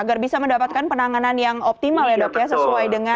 agar bisa mendapatkan penanganan yang optimal ya dok ya sesuai dengan